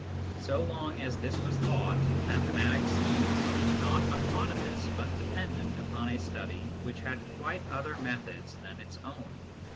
So long as this was thought, mathematics seemed to be not autonomous, but dependent upon a study which had quite other methods than its own.